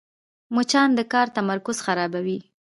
مچان د کار تمرکز خرابوي